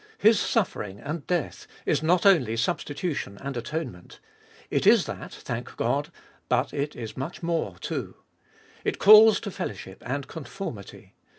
His suffering and death is not only substitution and atonement. It is that, thank God ! but it is much more too. It calls to fellowship and conformity.